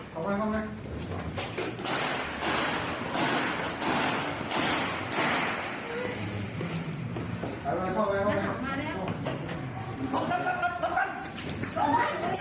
เสพออก